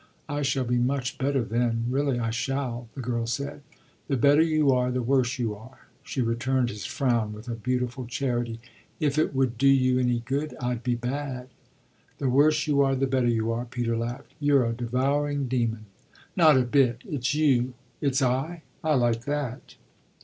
"I shall be much better then really I shall," the girl said. "The better you are the worse you are." She returned his frown with a beautiful charity. "If it would do you any good I'd be bad." "The worse you are the better you are!" Peter laughed. "You're a devouring demon." "Not a bit! It's you." "It's I? I like that."